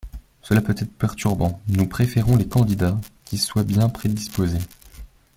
Cela peut être perturbant, nous préférons des candidats qui soient bien prédisposés